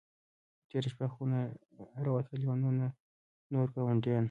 تېره شپه خو نه ته را وتلې او نه نور ګاونډیان.